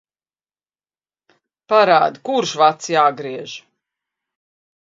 Parādi, kurš vads jāgriež.